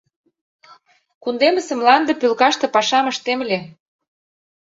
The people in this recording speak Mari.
Кундемысе мланде пӧлкаште пашам ыштем ыле.